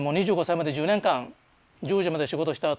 ２５歳まで１０年間１０時まで仕事した